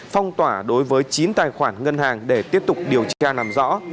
phong tỏa đối với chín tài khoản ngân hàng để tiếp tục điều tra làm rõ